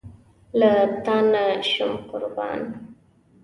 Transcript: له تانه شم قربان